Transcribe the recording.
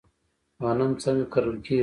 غنم څنګه کرل کیږي؟